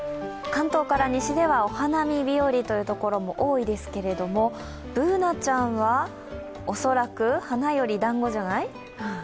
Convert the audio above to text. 関東から西ではお花見日和という所も多いですけれども、Ｂｏｏｎａちゃんは恐らく花より団子じゃない？